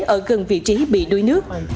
ở gần vị trí bị đuối nước